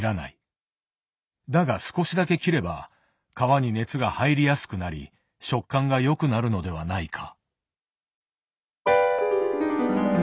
だが少しだけ切れば皮に熱が入りやすくなり食感が良くなるのではないか。